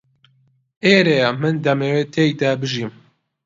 ئێرەیە من دەمەوێت تێیدا بژیم.